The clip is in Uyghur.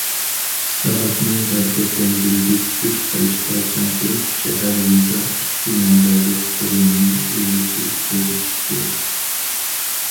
ئىسلاھاتنى ھەرىكەتلەندۈرگۈچ كۈچ قىلىشتا چىڭ تۇرۇپ، شەھەر، يېزا ئىككى مەنبەلىك قۇرۇلمىنى ئۈزلۈكسىز بۇزۇش كېرەك.